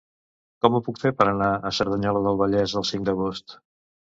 Com ho puc fer per anar a Cerdanyola del Vallès el cinc d'agost?